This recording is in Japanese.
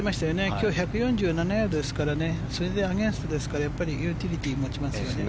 今日１４７ヤードですからそれでアゲンストですからユーティリティー持ちますね。